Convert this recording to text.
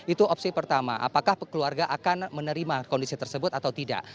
itu opsi pertama apakah keluarga akan menerima kondisi tersebut atau tidak